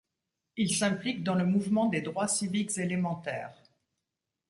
Il s'implique dans le mouvement des droits civiques élémentaires.